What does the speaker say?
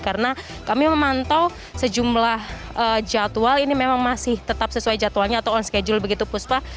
karena kami memantau sejumlah jadwal ini memang masih tetap sesuai jadwalnya atau on schedule begitu puspa